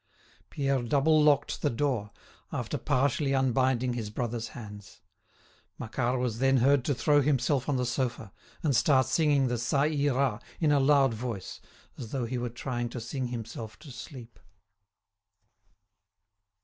Pierre double locked the door, after partially unbinding his brother's hands. Macquart was then heard to throw himself on the sofa, and start singing the "Ça Ira" in a loud voice, as though he were trying to sing himself to sleep.